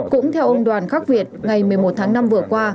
cũng theo ông đoàn khắc việt ngày một mươi một tháng năm vừa qua